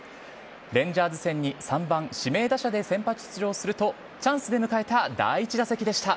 レンジャーズ戦に３番指名打者で先発出場すると、チャンスで迎えた第１打席でした。